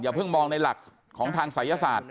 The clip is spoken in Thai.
เพิ่งมองในหลักของทางศัยศาสตร์